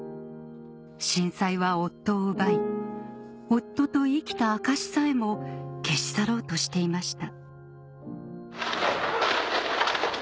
震災は夫を奪い夫と生きた証しさえも消し去ろうとしていました